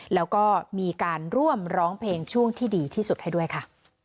แล้วก็มีการร่วมร้องเพลงช่วงที่ดีที่สุดให้ด้วยค่ะ